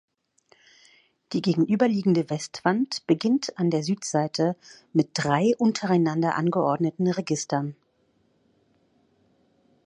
Die gegenüberliegende Westwand beginnt an der Südseite mit drei untereinander angeordneten Registern.